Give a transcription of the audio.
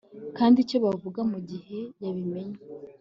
kandi icyo yavuga mugihe yabimenye